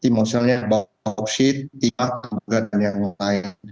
misalnya bau boksit timah dan yang lain